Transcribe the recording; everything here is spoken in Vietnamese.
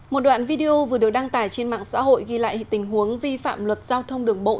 một đoạn video vừa được đăng tải trên mạng xã hội ghi lại tình huống vi phạm luật giao thông đường bộ